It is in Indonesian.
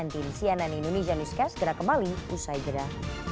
cnn indonesia newscast segera kembali usai jeda